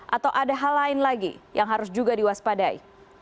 atau ada hal lain lagi yang harus juga diwaspadai